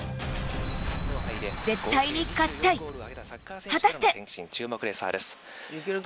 絶対に勝ちたい果たして⁉